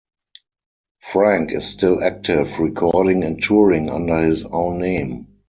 Frank is still active, recording and touring under his own name.